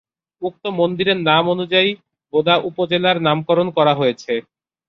উক্ত মন্দিরের নাম অনুযায়ী বোদা উপজেলার নামকরণ করা হয়েছে।